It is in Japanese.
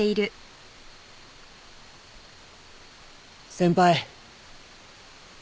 ・先輩。